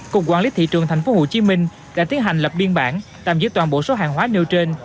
cục quản lý thị trường tp hcm đã tiến hành lập biên bản tạm giữ toàn bộ số hàng hóa nêu trên